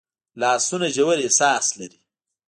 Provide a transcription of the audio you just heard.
لاسونه ژور احساس لري